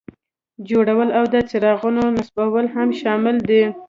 جوړول او د څراغونو نصبول هم شامل دي.